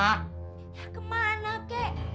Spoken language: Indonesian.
ya kemana kek